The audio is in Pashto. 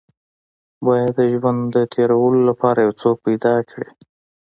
بايد د ژوند د تېرولو لپاره يو څوک پيدا کې.